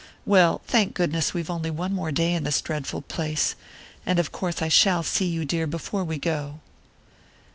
Well, thank goodness we've only one more day in this dreadful place and of course I shall see you, dear, before we go...."